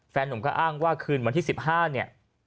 หนุ่มก็อ้างว่าคืนวันที่๑๕เนี่ย